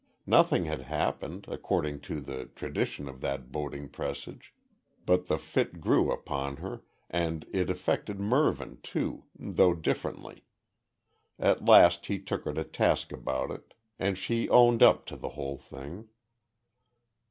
Nothing had happened, according to the tradition of that boding presage, but the fit grew upon her, and it affected Mervyn too, though differently. At last he took her to task about it, and she owned up to the whole thing.